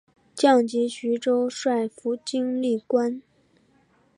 降级徐州帅府经历官。